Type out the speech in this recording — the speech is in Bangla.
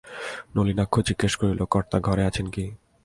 নলিনাক্ষ জিজ্ঞাসা করিল, কর্তা ঘরে আছেন কি?